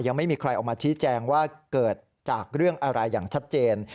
ยังไม่มีใครออกมาชี้แจงว่าเกิดจากเรื่องอะไรอย่างชัดเจน